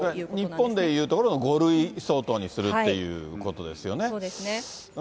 日本で言うところの、５類相当にするっていうことですよね。